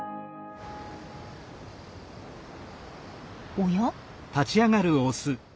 おや？